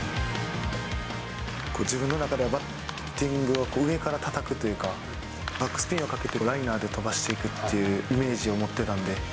自分の中で、バッティングは、上からたたくというか、バックスピンをかけて、ライナーで飛ばしていくっていうイメージを持ってたんで。